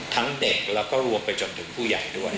ทั้งเด็กและรวมไปจนถึงผู้ใหญ่ด้วย